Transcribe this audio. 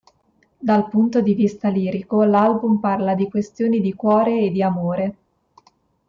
Dal punto di vista lirico, l'album parla di questioni di cuore e di amore.